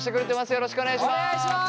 よろしくお願いします。